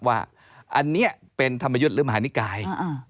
ว่าอันนี้เป็นธรรมยุทธ์หรือมหานิกาย